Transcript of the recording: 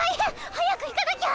早く行かなきゃ。